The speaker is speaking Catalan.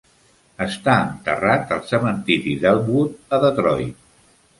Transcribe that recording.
Està enterrat al cementiri d'Elmwood, a Detroit.